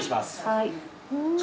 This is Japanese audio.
はい。